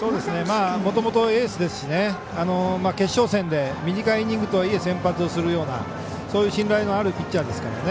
もともとエースですし決勝戦で短いイニングとはいえ先発をするようなそういう信頼のあるピッチャーですからね。